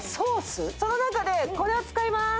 その中でこれを使います。